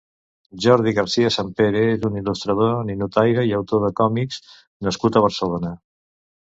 Jordi García Sempere és un il·lustrador, ninotaire i autor de còmics nascut a Barcelona.